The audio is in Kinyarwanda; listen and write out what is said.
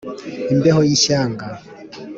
imbeho y’ishyanga